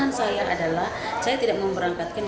makanya mereka memberangkatkan